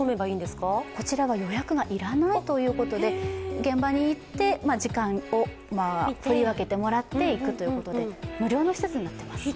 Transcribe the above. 予約は要らないということで現場に行って時間を振り分けてもらって行くということで無料になっています。